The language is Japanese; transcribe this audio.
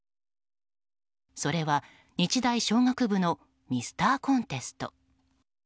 それは日大商学部のミスターコンテスト。